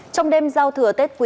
trong đêm giao thừa tết quý